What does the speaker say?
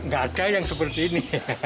gak ada yang seperti ini